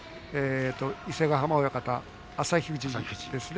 伊勢ヶ濱親方、旭富士ですね。